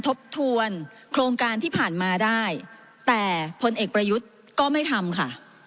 ทบทวนโครงการที่ผ่านมาได้แต่พลเอกประยุทธ์ก็ไม่ทำค่ะ